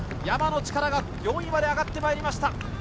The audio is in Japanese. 山野力が４位まで上がってきました。